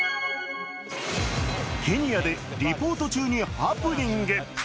ケニアでリポート中にハプニング。